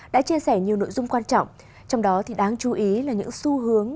đã chia sẻ nhiều nội dung quan trọng trong đó đáng chú ý là những xu hướng